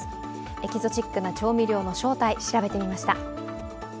エキゾチックな調味料の正体、調べてみました。